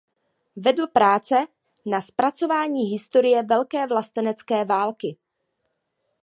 Vedl práce na zpracování historie Velké vlastenecké války.